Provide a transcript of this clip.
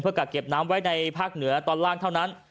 กักเก็บน้ำไว้ในภาคเหนือตอนล่างเท่านั้น